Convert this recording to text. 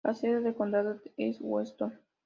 La sede del condado es Weston.